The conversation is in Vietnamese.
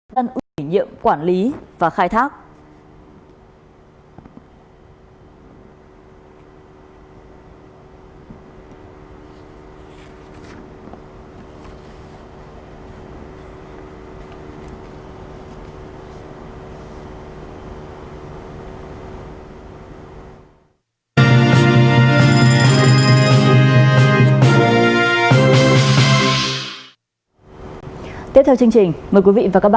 đơn ưu kỷ niệm quản lý và khai thác